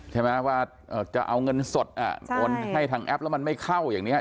ใช่ไหมว่าจะเอาเงินสดโอนให้ทางแอปแล้วมันไม่เข้าอย่างนี้